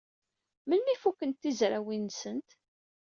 Melmi ay fukent tizrawin-nsent?